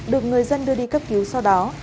được người dân đưa đi cấp cứu sau đó